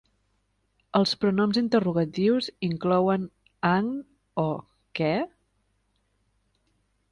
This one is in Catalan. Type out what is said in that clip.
Els pronoms interrogatius inclouen "agn"o "què?".